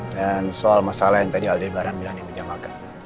dan soal masalah yang tadi aldebaran bilang di pijamakan